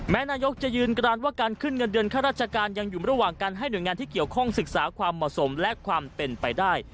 นายกจะยืนกรานว่าการขึ้นเงินเดือนข้าราชการยังอยู่ระหว่างการให้หน่วยงานที่เกี่ยวข้องศึกษาความเหมาะสมและความเป็นไปได้